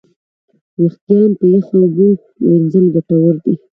وېښتيان په یخو اوبو وینځل ګټور دي.